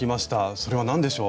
それは何でしょう。